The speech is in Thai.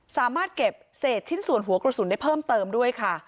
สามารถเก็บเศษชิ้นส่วนหัวกระสุนได้เพิ่มเติมด้วยค่ะ